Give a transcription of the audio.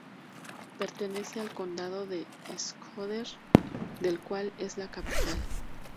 Pertenece al condado de Shkodër, del cual es la capital.